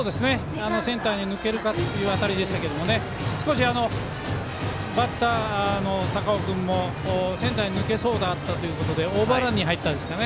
センターへ抜けるかという当たりでしたけど少しバッターの高尾君もセンターに抜けそうだったということでオーバーランに入ったんですかね。